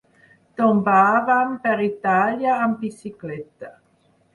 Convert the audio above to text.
Tombàvem per Itàlia amb bicicleta.